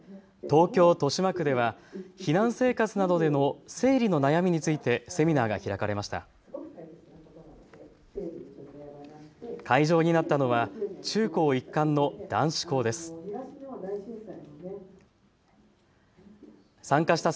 東京豊島区では避難生活などでの生理の悩みについてセミナーが開かれました。